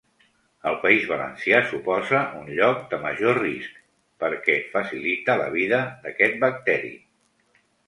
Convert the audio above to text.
El País Valencià suposa un lloc de major risc perquè facilita la vida d'aquest bacteri.